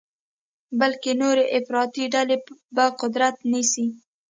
بلکې نورې افراطي ډلې به قدرت نیسي.